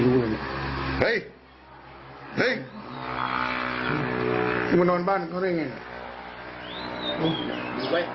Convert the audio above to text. เขาไปนอนบ้านเขาได้ไง